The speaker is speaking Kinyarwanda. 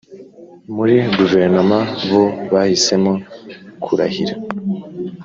muri guverinoma bo bahisemo kurahira.